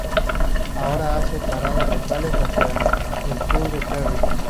Ahora hace paradas locales hacia el sur del Ferry.